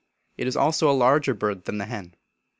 It is also a larger bird than the hen.